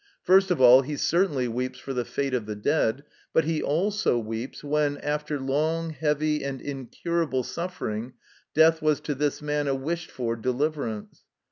First of all he certainly weeps for the fate of the dead, but he also weeps when, after long, heavy, and incurable suffering, death was to this man a wished for deliverance.